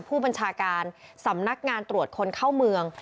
ผู้บัญชาการสำนักงานตรวจคนเข้าเมือง